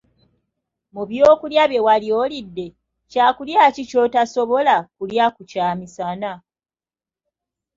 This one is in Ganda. Ku byokulya bye wali olidde, kyakulya ki ky'otasobola kulya ku kyamisana?